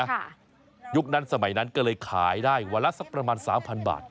ยุคนั้นสมัยนั้นก็เลยขายได้วันละสักประมาณสามพันบาท